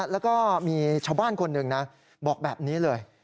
แล้วก็มีชาวบ้านคนหนึ่งนะบอกแบบนี้เลย